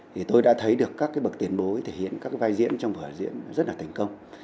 thì tôi đã thấy được các cái bậc tiền bối thể hiện các cái vai diễn trong vở diễn rất là thành công